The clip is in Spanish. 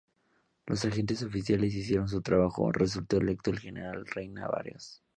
Los agentes oficiales hicieron su trabajo: resultó electo el general Reyna Barrios.